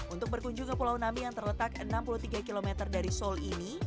untuk berkunjung ke pulau nami yang terletak enam puluh tiga km dari seoul ini